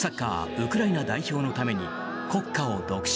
ウクライナ代表のために国歌を独唱。